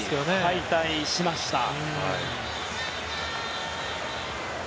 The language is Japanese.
敗退しましたね。